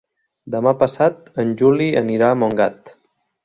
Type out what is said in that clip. Demà passat en Juli anirà a Montgat.